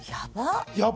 やば。